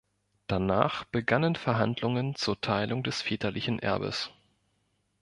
Danach begannen Verhandlungen zur Teilung des väterlichen Erbes.